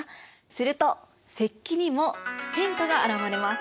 すると石器にも変化が表れます。